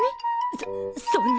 そそんな。